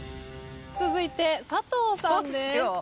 続いて佐藤さんです。